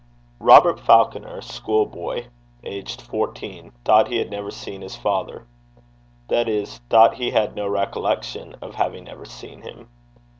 Robert Falconer, school boy, aged fourteen, thought he had never seen his father; that is, thought he had no recollection of having ever seen him.